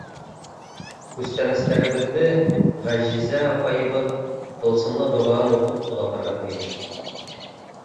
— Күстәнәстәребеҙҙе Ғәжизә апайыбыҙ тылсымлы доғаһын уҡып оҙатырға тейеш!